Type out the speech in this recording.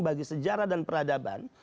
bagi sejarah dan peradaban